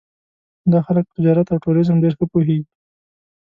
دا خلک په تجارت او ټوریزم ډېر ښه پوهېږي.